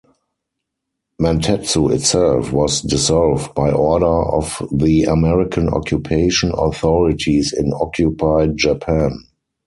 "Mantetsu" itself was dissolved by order of the American occupation authorities in occupied Japan.